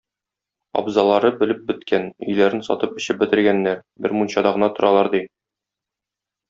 Абзалары бөлеп беткән, өйләрен сатып эчеп бетергәннәр, бер мунчада гына торалар, ди.